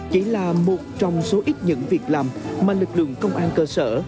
chỉ là một trong số ít những việc làm mà lực lượng công an cơ sở